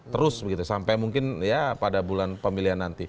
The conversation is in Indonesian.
terus begitu sampai mungkin ya pada bulan pemilihan nanti